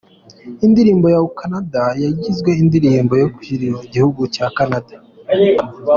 Indirimbo O Canada yagizwe indirimbo yubahiriza igihugu ya Canada.